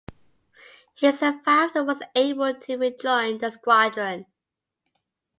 He survived and was able to rejoin the squadron.